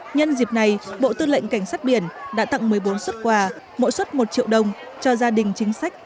nhân dịp này bộ tư lệnh cảnh sát biển đã tặng một mươi bốn xuất quà mỗi xuất một triệu đồng cho gia đình chính sách